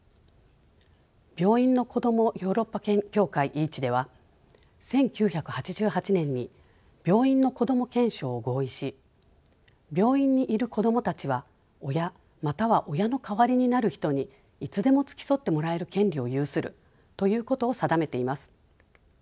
病院のこどもヨーロッパ協会ＥＡＣＨでは１９８８年に「病院のこども憲章」を合意し「病院にいるこどもたちは親または親の代わりになる人にいつでも付き添ってもらえる権利を有する」ということを定めています。